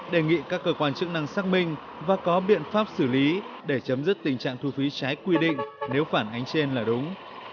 đề nghị các cơ quan chức năng xác minh và có biện pháp xử lý để chấm dứt tình trạng thu phí trái quy định nếu phản ánh trên là đúng